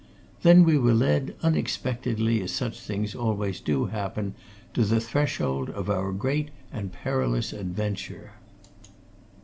Then we were led, unexpectedly, as such things always do happen, to the threshold of our great and perilous adventure.